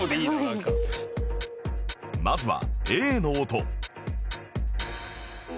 まずは Ａ の音